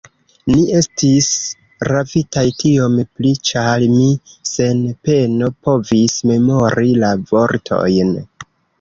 Ni estis ravitaj, tiom pli, ĉar mi sen peno povis memori la vortojn.